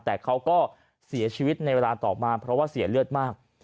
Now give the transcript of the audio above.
แต่เขาก็เสียชีวิตในเวลาต่อมาเพราะว่าเสียเลือดมาก